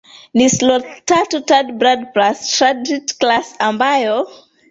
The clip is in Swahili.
ni sloth tatu toed Bradypus tridactylus ambayo